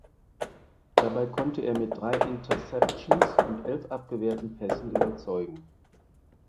Dabei konnte er mit drei Interceptions und elf abgewehrten Pässen überzeugen.